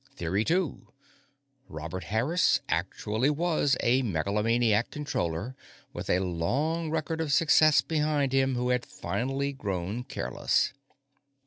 Theory Two: Robert Harris actually was a megalomaniac Controller; with a long record of success behind him, who had finally grown careless.